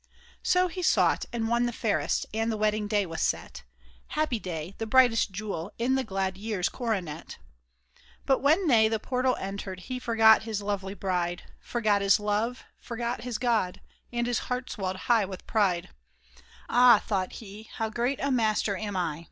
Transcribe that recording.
So he sought and won the fairest, and the wedding day was set : Happy day — the brightest jewel in the glad year's coronet ! THE LEGEND OF THE ORGAN BUILDER 1 87 But when they the portal entered, he forgot his lovely bride — Forgot his love, forgot his God, and his heart swelled high with pride. " Ah !" thought he, '' how great a master am I